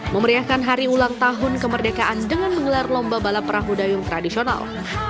memeriahkan hari ulang tahun kemerdekaan dengan menggelar lomba balap perahu dayung tradisional